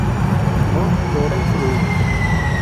موږ ډوډۍ خورو